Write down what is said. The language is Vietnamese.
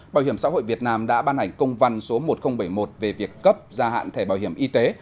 bảo hiểm xã hội việt nam đã ban hành công văn số một nghìn bảy mươi một về việc cấp gia hạn thẻ bảo hiểm y tế